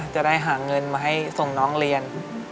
จะได้หาเงินมาให้ส่งน้องเรียน